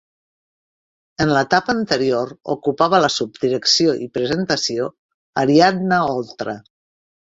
En l'etapa anterior, ocupava la subdirecció i presentació Ariadna Oltra.